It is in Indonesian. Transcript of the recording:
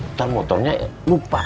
ntar motornya lupa